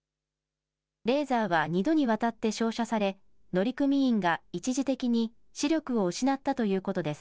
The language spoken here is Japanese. レーザーは２度にわたって照射され、乗組員が一時的に視力を失ったということです。